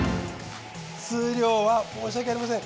数量は申し訳ありません。